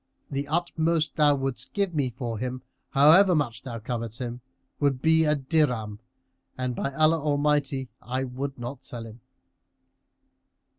The utmost thou wouldst give me for him, however much thou covet him, would be a dirham, and, by Allah Almighty I will not sell him!"